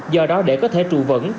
do đó để có thể trụ vẩn